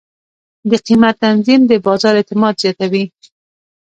د قیمت تنظیم د بازار اعتماد زیاتوي.